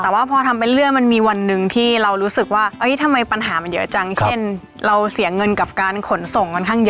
แต่ว่าพอทำไปเรื่อยมันมีวันหนึ่งที่เรารู้สึกว่าทำไมปัญหามันเยอะจังเช่นเราเสียเงินกับการขนส่งค่อนข้างเยอะ